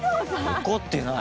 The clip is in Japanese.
怒ってない